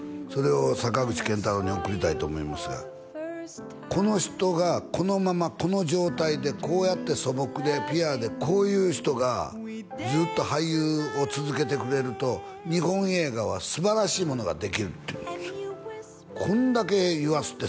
それを坂口健太郎に送りたいと思いますがこの人がこのままこの状態でこうやって素朴でピュアでこういう人がずっと俳優を続けてくれると日本映画は素晴らしいものができるって言うんです